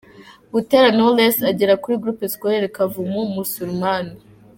Butera Knowless agera kuri Groupe Scolaire Kavumu Musulman.